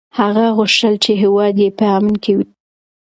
هغه غوښتل چې هېواد یې په امن کې وي.